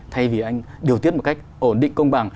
thay vì anh điều tiết một cách ổn định công bằng